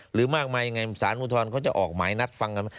หรือมากมายยังไงสารอุทธรณ์เขาจะออกหมายนัดฟังกัน